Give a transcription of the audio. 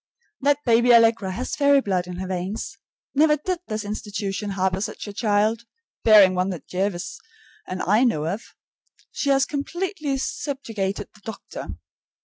That baby Allegra has fairy blood in her veins. Never did this institution harbor such a child, barring one that Jervis and I know of. She has completely subjugated the doctor.